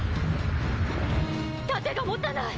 「盾が持たない！」